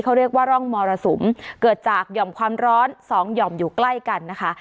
เขาเรียกว่าร่องมรสุมเกิดจากหย่อมความร้อนสองหย่อมอยู่ใกล้กันนะคะ